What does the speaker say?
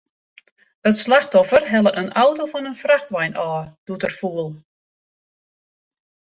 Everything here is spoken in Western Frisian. It slachtoffer helle in auto fan in frachtwein ôf, doe't er foel.